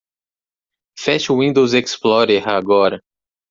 Feche o Windows Explorer agora.